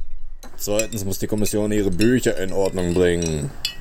Zweitens muss die Kommission ihre Bücher in Ordnung bringen.